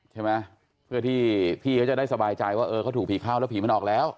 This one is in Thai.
ใช่ไหมเพื่อที่พี่เขาจะได้สบายใจว่าเออเขาถูกผีเข้าแล้วผีมันออกแล้ว